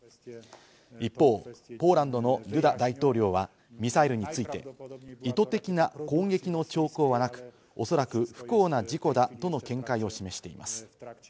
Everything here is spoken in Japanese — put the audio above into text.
一方、ポーランドのドゥダ大統領はミサイルについて意図的な攻撃の兆候はなく、おそらく不幸な事故だとの見解を示しています。